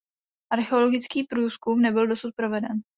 Archeologický průzkum nebyl dosud proveden.